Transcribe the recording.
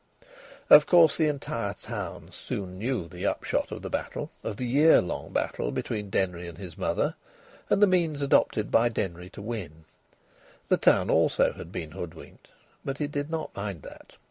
Of course, the entire town soon knew of the upshot of the battle, of the year long battle, between Denry and his mother, and the means adopted by Denry to win. The town also had been hoodwinked, but it did not mind that.